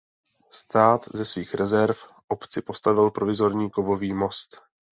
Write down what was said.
Stát ze svých rezerv obci postavil provizorní kovový most.